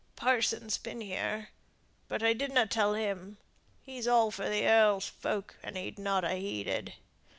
Parson's been here; but I did na tell him. He's all for the earl's folk, and he'd not ha' heeded.